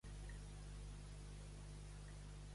Per què se'l va anomenar Hebe?